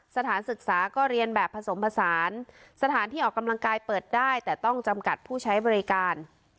สถานศึกษาก็เรียนแบบผสมผสานสถานที่ออกกำลังกายเปิดได้แต่ต้องจำกัดผู้ใช้บริการ